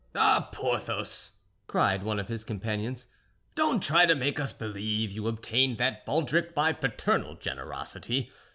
"Ah, Porthos!" cried one of his companions, "don't try to make us believe you obtained that baldric by paternal generosity.